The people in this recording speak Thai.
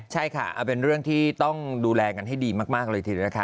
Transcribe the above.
ใช่ค่ะเอาเป็นเรื่องที่ต้องดูแลกันให้ดีมากเลยทีเดียวนะคะ